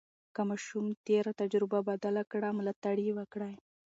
که ماشوم تېره تجربه بدله کړه، ملاتړ یې وکړئ.